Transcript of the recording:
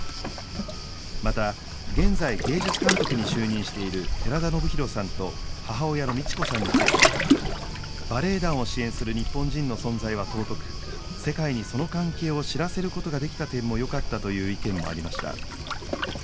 また現在芸術監督に就任している寺田宜弘さんと母親の美智子さんについて「バレエ団を支援する日本人の存在は尊く世界にその関係を知らせることができた点もよかった」という意見もありました。